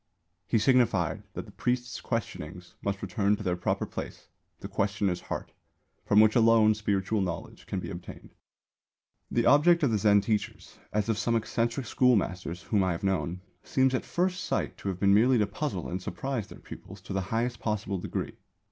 He signified that the priest's questionings must return to their proper place, the questioner's heart, from which alone spiritual knowledge can be obtained. The object of the Zen teachers, as of some eccentric schoolmasters whom I have known, seems at first sight to have been merely to puzzle and surprise their pupils to the highest possible degree.